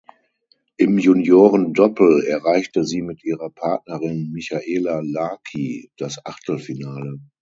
Im Juniorinnendoppel erreichte sie mit ihrer Partnerin Michaela Laki das Achtelfinale.